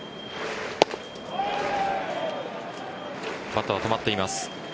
バットは止まっています。